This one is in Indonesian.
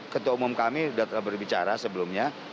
ketua umum kami sudah berbicara sebelumnya